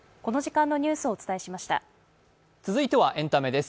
続いてはエンタメです。